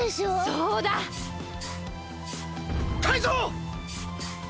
そうだ！タイゾウ！